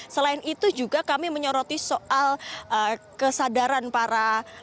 selain itu juga kami menyoroti soal kesadaran para